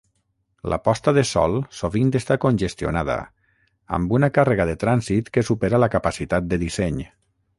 La posta de sol sovint està congestionada, amb una càrrega de trànsit que supera la capacitat de disseny.